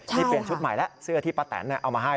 นี่เปลี่ยนชุดใหม่แล้วเสื้อที่ป้าแตนเอามาให้